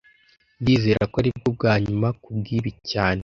Ndizera ko aribwo bwa nyuma kubwibi cyane